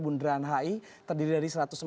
bundaran hi terdiri dari satu ratus empat puluh